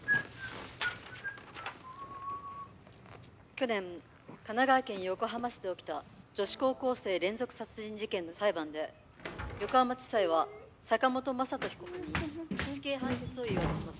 去年神奈川県横浜市で起きた女子高校生連続殺人事件の裁判で横浜地裁は坂本雅人被告に死刑判決を言い渡しました。